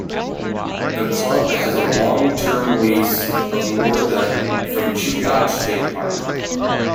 The club has a long-term lease of more than from Chugach State Park.